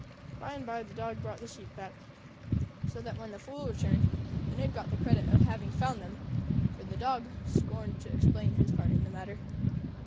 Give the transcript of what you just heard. By and by the dog brought the sheep back; so that, when the Fool returned, the Knave got the credit of having found them; for the dog scorned to explain his part in the matter.